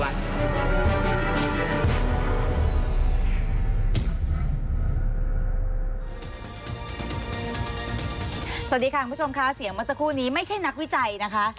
สวัสดีค่ะคุณผู้ชมค่ะเสียงเมื่อสักครู่นี้ไม่ใช่นักวิจัยนะคะ